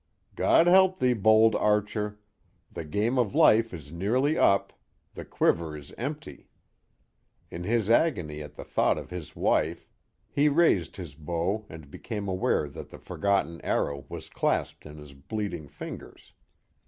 God help thee, bold archer! the game of life is nearly up; thy quiver is empty. In his agony at the thought of his wife, he raised his bow and became aware that the forgotten arrow was clasped in his bleeding fingers.